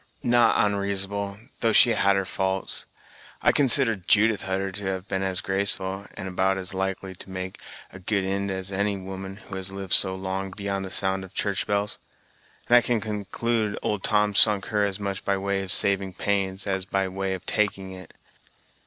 "Not onreasonable; though she had her faults. I consider Judith Hutter to have been as graceful, and about as likely to make a good ind as any woman who had lived so long beyond the sound of church bells; and I conclude old Tom sunk her as much by way of saving pains, as by way of taking it.